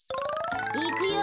いくよ！